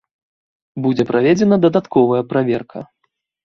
Будзе праведзена дадатковая праверка.